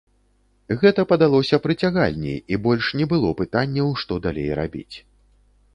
Гэта падалося прыцягальней, і больш не было пытанняў, што далей рабіць.